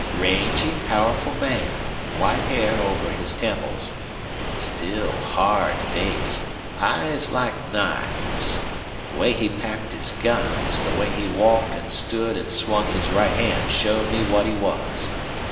"Rangy, powerful man, white hair over his temples, still, hard face, eyes like knives. The way he packed his guns, the way he walked an' stood an' swung his right hand showed me what he was.